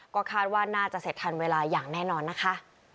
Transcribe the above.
ก็คาดว่าน่าจะเสร็จทันเวลาอย่างแน่นอนนะคะ